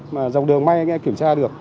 mà dòng đường may anh em kiểm tra được